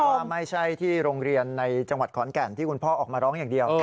ว่าไม่ใช่ที่โรงเรียนในจังหวัดขอนแก่นที่คุณพ่อออกมาร้องอย่างเดียว